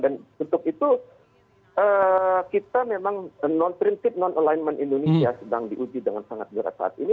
dan untuk itu kita memang non prinsip non alignment indonesia sedang diuji dengan sangat berat saat ini